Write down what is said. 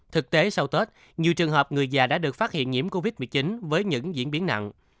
thực tế sau tết nhiều trường hợp người già đã được phát hiện nhiễm covid một mươi chín với những diễn biến nặng